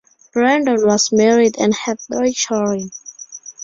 Brandon was married and had three children.